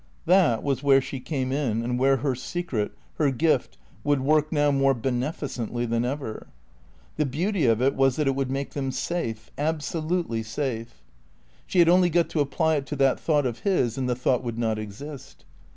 That was where she came in and where her secret, her gift, would work now more beneficently than ever. The beauty of it was that it would make them safe, absolutely safe. She had only got to apply it to that thought of his and the thought would not exist.